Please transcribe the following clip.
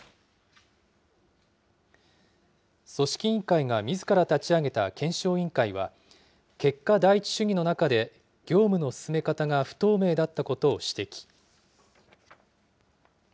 組織委員会がみずから立ち上げた検証委員会は、結果第一主義の中で、業務の進め方が不透明だったことを指摘。